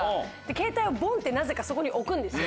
ケータイをボンってなぜかそこに置くんですよ。